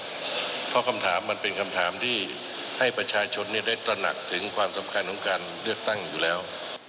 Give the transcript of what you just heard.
เพราะคำถามมันเป็นคำถามที่ให้ประชาชนได้ตระหนักถึงความสำคัญของการเลือกตั้งอยู่แล้ว